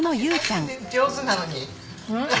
最近上手なのに。